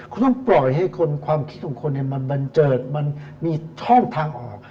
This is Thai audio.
คุณต้องปล่อยให้คนความคิดของคนมันบันเจิดมันมีช่องทางออก